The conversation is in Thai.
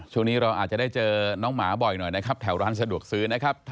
ช่วงนี้เราอาจจะได้เจอน้องหมาบ่อยหน่อยนะครับแถวร้านสะดวกซื้อนะครับ